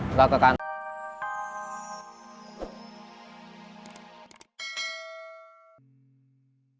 nggak ke kantor